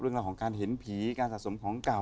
เรื่องราวของการเห็นผีการสะสมของเก่า